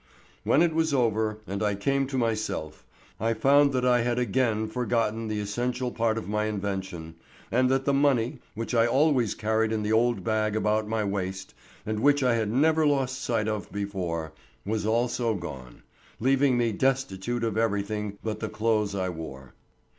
When it was over and I came to myself I found that I had again forgotten the essential part of my invention, and that the money, which I always carried in the old bag about my waist and which I had never lost sight of before, was also gone, leaving me destitute of everything but the clothes I wore.